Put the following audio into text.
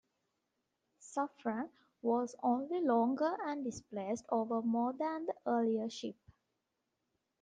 "Suffren" was only longer and displaced over more than the earlier ship.